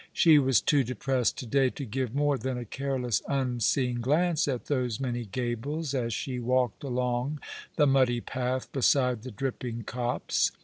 She was too depressed to day to give more than a careless, unseeing glance at those many gables as she walked along the muddy path beside the dripping copse.